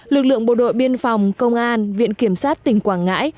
lực lượng bộ đội biên phòng công an viện kiểm sát tỉnh quảng ngãi